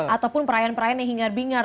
ataupun perayaan perayaan yang hingar bingar